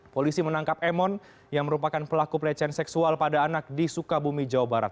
polisi menangkap emon yang merupakan pelaku pelecehan seksual pada anak di sukabumi jawa barat